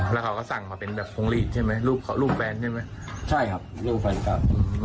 พวกเขาก็ส่งมาเป็นรูปแฟนใช่ไหม